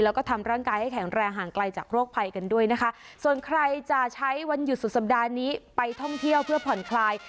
แล้วก็ทำร่างกายให้แข็งแรงห่างไกลจากโรคภัยกันด้วยนะคะส่วนใครจะใช้วันหยุดสุดสัปดาห์นี้ไปท่องเที่ยวเพื่อผ่อนคลาย